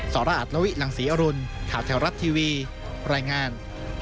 สระอัตลวิหลังศรีอรุณข่าวแถวรัฐทีวีรายงาน